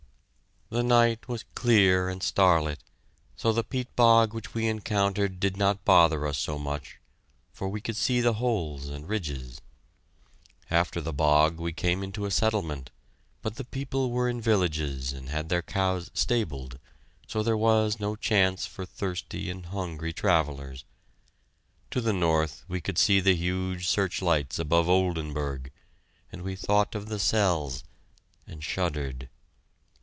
The night was clear and starlight, so the peat bog which we encountered did not bother us so much, for we could see the holes and ridges. After the bog, we came into a settlement, but the people were in villages and had their cows stabled, so there was no chance for thirsty and hungry travellers. To the north we could see the huge searchlights above Oldenburg, and we thought of the cells and shuddered!